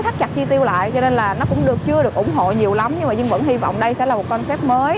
thắt chặt chi tiêu lại cho nên là nó cũng chưa được ủng hộ nhiều lắm nhưng vẫn hy vọng đây sẽ là một concept mới